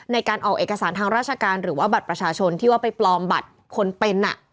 ในการออกเอกสารทางราชการหรือว่าบัตรประชาชนที่ว่าไปปลอมบัตรคนเป็น